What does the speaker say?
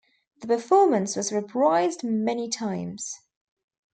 The performance was reprised many times.